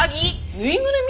ぬいぐるみ？